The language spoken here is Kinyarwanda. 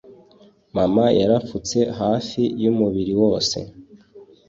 mama yarapfutse hafi umubiri wose.